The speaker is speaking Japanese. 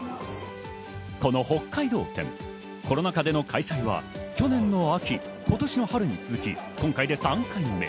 この北海道展、コロナ禍での開催は去年の秋、今年の春に続き、今回で３回目。